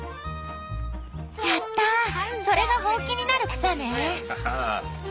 やったぁそれがホウキになる草ね！